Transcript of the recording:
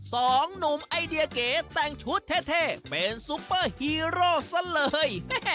สองหนุ่มไอเดียเก๋แต่งชุดเท่เป็นซุปเปอร์ฮีโร่ซะเลย